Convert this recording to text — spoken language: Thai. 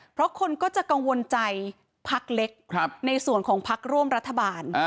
เพราะคนก็จะกังวลใจพักเล็กในส่วนของพักร่วมรัฐบาล